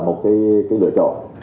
một cái lựa chọn